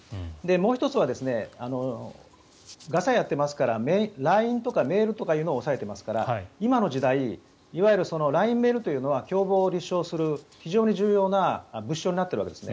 もう１つはガサをやっていますからＬＩＮＥやメールを押さえていますから今の時代ＬＩＮＥ、メールというのは共謀を立証する非常に重要な物証になっているんです。